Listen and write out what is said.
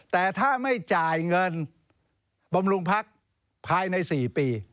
แต่ถ้าไม่จ่ายเงินบำรุงพักภายใน๔ปี